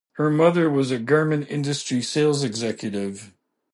Her mother was a garment industry sales executive.